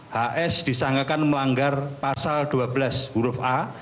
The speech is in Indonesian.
hs disangkakan melanggar pasal dua belas huruf a